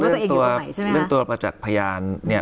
ว่าตัวเองอยู่ไหนใช่ไหมฮะเรื่องตัวประจักษ์พยานเนี้ย